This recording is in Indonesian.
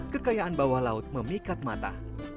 kekayaan bawah laut memikat mata